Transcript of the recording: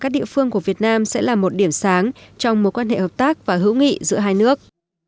các lĩnh vực cùng quan tâm của việt nam sẽ là một điểm sáng trong một quan hệ hợp tác và hữu nghị giữa hai nước